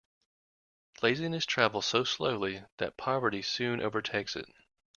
Laziness travels so slowly that poverty soon overtakes it.